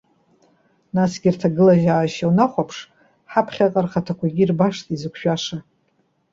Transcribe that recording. Нагьы рҭагылазаашьа унахәаԥш, ҳаԥхьаҟа рхаҭақәагьы ирбашт изықәшәаша!